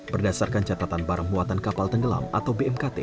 berdasarkan catatan barang muatan kapal tenggelam atau bmkt